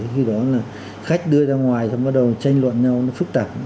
khi đó là khách đưa ra ngoài xong bắt đầu tranh luận nhau nó phức tạp